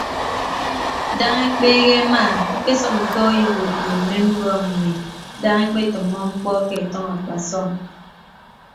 Daña ekpeehe ema ñkesʌk ñkọọk iwuod ye mme mbọọñ mmi daña ekpetʌmmọ mkpọ ke ọtʌñ akpasọm.